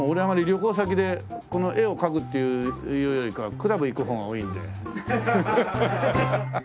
旅行先で絵を描くっていうよりかはクラブ行く方が多いので。